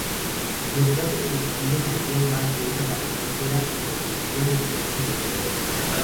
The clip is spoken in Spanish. Los gases producidos harían más densa la atmósfera y contribuirían al efecto invernadero.